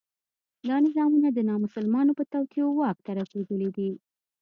دا نظامونه د نامسلمانو په توطیو واک ته رسېدلي دي.